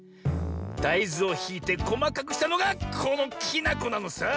だいずをひいてこまかくしたのがこのきなこなのさ。